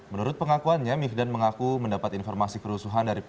menurut pengakuannya mihdan mengaku mendapat informasi kerusuhan dari napi